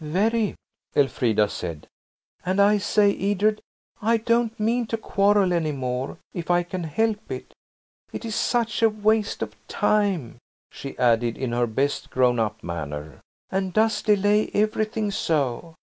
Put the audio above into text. "Very," Elfrida said. "And I say, Edred, I don't mean to quarrel any more if I can help it. It is such a waste of time," she added in her best grown up manner, "and does delay everything so.